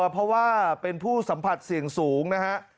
เพราะว่าเป็นผู้สัมผัสเสี่ยงสูงนะฮะ